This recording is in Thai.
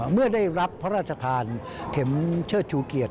เมื่อได้รับพระราชทานเข็มเชิดชูเกียรติ